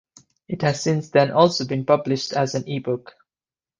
It has since then also been published as an ebook.